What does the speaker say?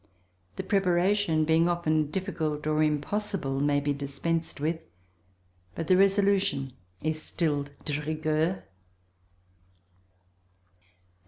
The preparation being often difficult or impossible may be dispensed with, but the resolution is still de rigueur.